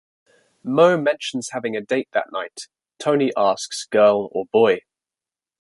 Mo mentions having a date that night, Tony asks girl or boy?